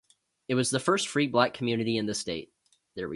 It was the first free black community in the state.